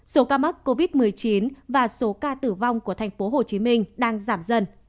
số ca mắc covid một mươi chín và số ca tử vong của thành phố hồ chí minh đang giảm dần